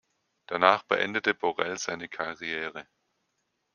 Danach beendete Borel seine Karriere.